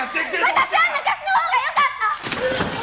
私は昔のほうがよかった！